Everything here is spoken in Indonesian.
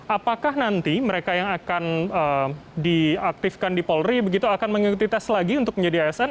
apakah nanti mereka yang akan diaktifkan di polri begitu akan mengikuti tes lagi untuk menjadi asn